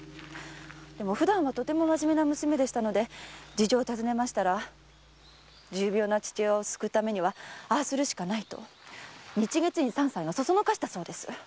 ふだんとても真面目な娘なので事情を尋ねましたら重病な父親を救うためにはああするしかないと日月院三斎がそそのかしたそうです！